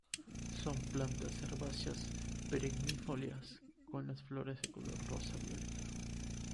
Son plantas herbáceas perennifolias con las flores de color rosa-violeta.